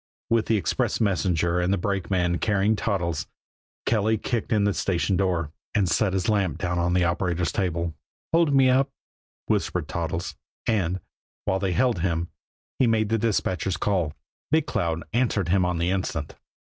With the express messenger and a brakeman carrying Toddles, Kelly kicked in the station door, and set his lamp down on the operator's table. "Hold me up," whispered Toddles and, while they held him, he made the dispatcher's call. Big Cloud answered him on the instant.